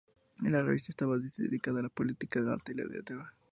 La revista estaba dedicada a la política, el arte y la literatura.